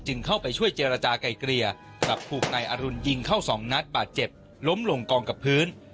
เข้าไปช่วยเจรจากลายเกลี่ยกลับถูกนายอรุณยิงเข้าสองนัดบาดเจ็บล้มลงกองกับพื้น